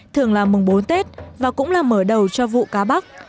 thường là mùng bốn tết và cũng là mở đầu cho vụ cá bắp